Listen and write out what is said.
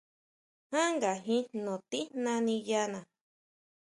Ján ngajin jno tijna niʼyana.